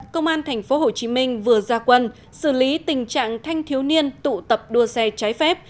công an tp hcm vừa ra quân xử lý tình trạng thanh thiếu niên tụ tập đua xe trái phép